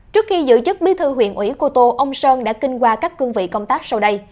trước khi giữ chức bí thư huyện ủy cô tô ông sơn đã kinh qua các cương vị công tác sau đây